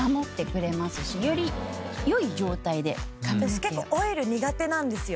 私結構オイル苦手なんですよ